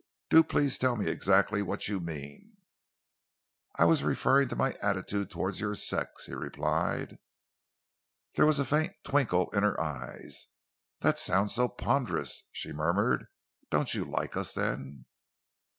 Do please tell me exactly what you mean." "I was referring to my attitude towards your sex," he replied. There was a faint twinkle in her eyes. "That sounds so ponderous," she murmured. "Don't you like us, then?"